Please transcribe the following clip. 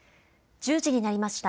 １０時になりました。